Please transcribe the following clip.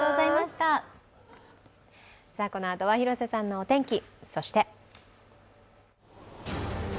このあとは広瀬さんのお天気。